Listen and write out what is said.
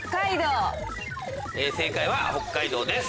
正解は北海道です。